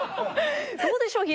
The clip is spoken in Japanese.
どうでしょう？